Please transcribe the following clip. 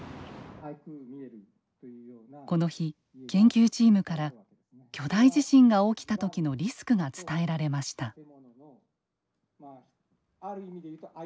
この日研究チームから巨大地震が起きたときのリスクが伝えられました。